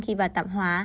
khi vào tạm hóa